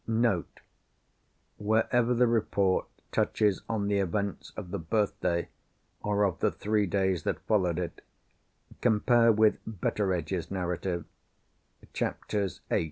NOTE.—Wherever the Report touches on the events of the birthday, or of the three days that followed it, compare with Betteredge's Narrative, chapters viii.